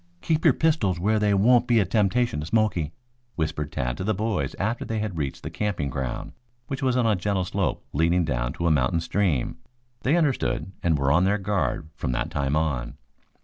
"Keep your pistols where they won't be a temptation to Smoky," whispered Tad to the boys after they had reached the camping ground, which was on a gentle slope leading down to a mountain stream. They understood, and were on their guard from that time on.